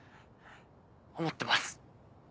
思ってます。